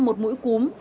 một lần trước